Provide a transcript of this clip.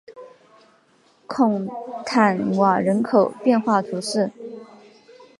孔坦瓦人口变化图示